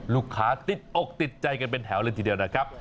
ลูกค้าติดอกติดใจกันเป็นแถวเลยทีเดียวนะครับ